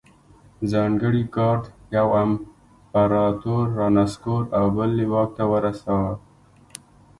ځانګړي ګارډ یو امپرتور رانسکور او بل یې واک ته رساوه.